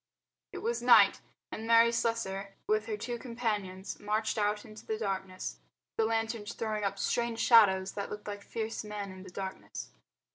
It was night, and Mary Slessor with her two companions marched out into the darkness, the lanterns throwing up strange shadows that looked like fierce men in the darkness.